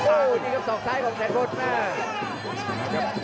โอ้นี่ครับส่องซ้ายของแสดวน